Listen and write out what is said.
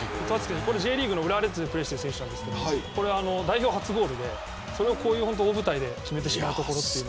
Ｊリーグの浦和レッズでプレーしてる選手なんですが代表初ゴールで、それをこういう大舞台で決めてしまう。